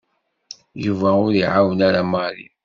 Yuba ur iɛawen ara Mary.